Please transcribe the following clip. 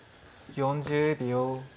４０秒。